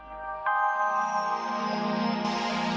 tidak pernah mengambil strictlypi